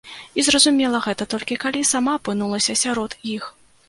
І зразумела гэта, толькі калі сама апынулася сярод іх.